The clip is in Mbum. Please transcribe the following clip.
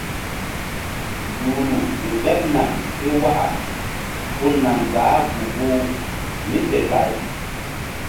Duhru ƴo ɓeɓ naŋ ké waka pul naŋ baah gu-guh mí fe pay.